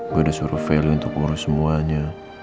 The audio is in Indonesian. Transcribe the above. gue udah suruh feli untuk urus semuanya